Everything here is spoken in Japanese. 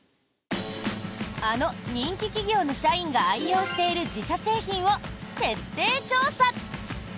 あの人気企業の社員が愛用している自社製品を徹底調査！